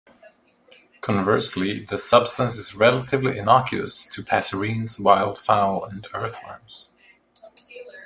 Conversely, the substance is relatively innocuous to passerines, wildfowl, and earthworms.